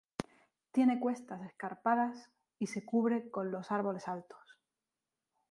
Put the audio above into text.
Tiene cuestas escarpadas y se cubre con los árboles altos.